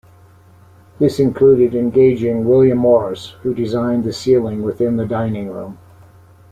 This included engaging William Morris, who designed the ceiling within the dining room.